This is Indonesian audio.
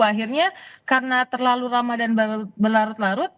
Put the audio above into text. akhirnya karena terlalu ramah dan berlarut larut